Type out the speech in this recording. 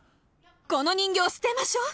この人形を捨てましょう